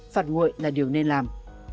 phạt nguội là điều nên làm